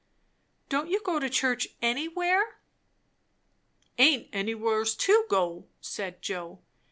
"Don't you go to church anywhere?" "Aint anywheres to go!" said Joe.